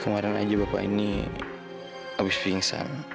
kemarin aja bapak ini habis pingsan